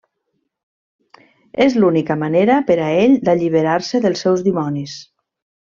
És l'única manera per a ell d’alliberar-se dels seus dimonis.